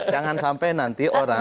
jangan sampai nanti orang